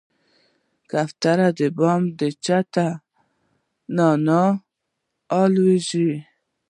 کوتره د بام له چت نه نه لوېږي.